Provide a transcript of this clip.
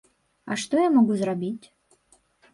А што я магу зрабіць?